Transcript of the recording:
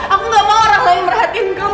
aku gak mau orang lain merahatin kamu